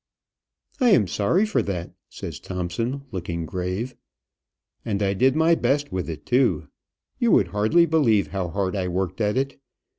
"I am sorry for that," says Thompson, looking grave. "And I did my best with it too. You would hardly believe how hard I worked at it.